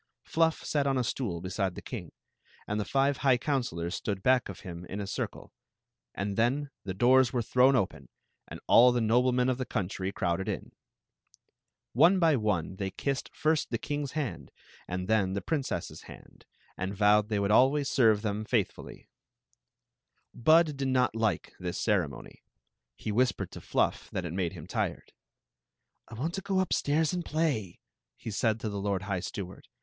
Fluff sat on a stool beside the king^ and the five high counselors stood back of him in a circle; md then the doo» ime ikmm and all ife adMe* mm Ae coo^ry GPom4ed m, Om by <me tl^y 68 Queen Zixi of Ix; or, the kissed first the kings hand and then the princess's hand, and vowed they would always serve them faithfully. Bud did not like this ceremony. He whispered to Fluff that it made him tired. " I want to go upstairs and play," he said to the lord high steward.